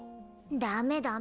ダメダメ。